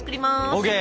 ＯＫ。